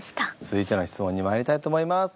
続いての質問にまいりたいと思います。